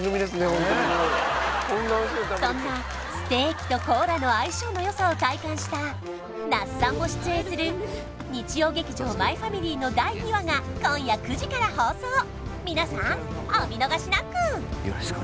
ホントにもうそんなステーキとコーラの相性のよさを体感した那須さんも出演する日曜劇場「マイファミリー」の第２話が今夜９時から放送皆さんお見逃しなく！